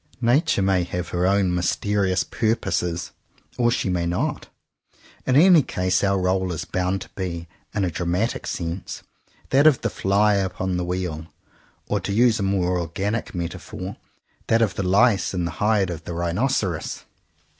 Nature may have her own mysterious purposes, or she may not; in any case our role is bound to be, in a dramatic sense, that of the fly upon the wheel; or to use a more organic metaphor, that of the lice in the hide of the rhinoceros.